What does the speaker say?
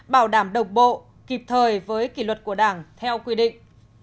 bảo đảm đồng bộ kịp thời với kỷ luật của đảng theo quy định